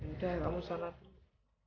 udah kamu sana dulu